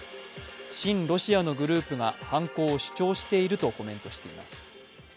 親ロシアのグループが犯行を主張しているとコメントしています。